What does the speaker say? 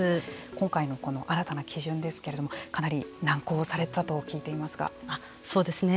今回のこの新たな基準ですけれどもかなり難航されたと聞いていますそうですね。